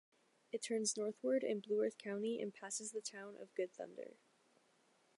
It turns northward in Blue Earth County and passes the town of Good Thunder.